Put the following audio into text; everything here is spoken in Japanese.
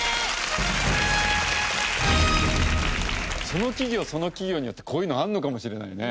その企業その企業によってこういうのあるのかもしれないね。